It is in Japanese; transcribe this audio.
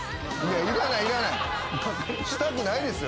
したくないですよ